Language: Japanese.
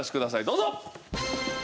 どうぞ。